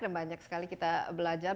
dan banyak sekali kita belajar